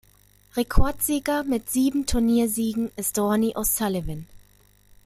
Rekordsieger mit sieben Turniersiegen ist Ronnie O’Sullivan.